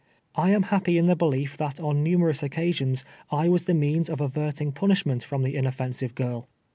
I am happy in the belief that on numerous occasions I was the means of averting punishment from the inoft'ensive girl.